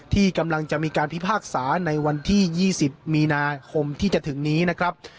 ที่กำลังจะมีการพิพากษาในวันที่๒๐มีนาคมที่จะถึงนี้นะครับ